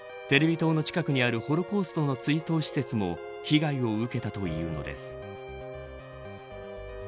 テレビ塔の近くにあるホロコーストの追悼施設も被害を受けたというのです。